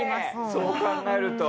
そう考えると。